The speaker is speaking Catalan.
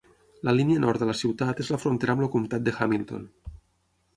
La línia nord de la ciutat és la frontera amb el comtat de Hamilton.